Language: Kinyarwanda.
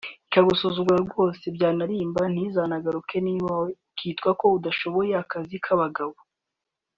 ikagusuzugura rwose byanarimba ntizagaruke iwawe ukitwa ko udashoboye akazi k’abagabo